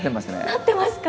なってますか？